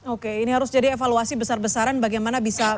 oke ini harus jadi evaluasi besar besaran bagaimana bisa